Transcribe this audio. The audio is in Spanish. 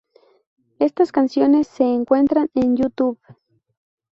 Estas canciones se encuentran en Youtube.